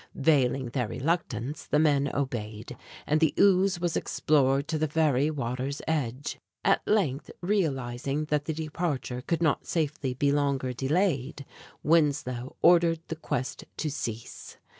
Veiling their reluctance the men obeyed, and the ooze was explored to the very water's edge. At length, realizing that the departure could not safely be longer delayed, Winslow ordered the quest to cease.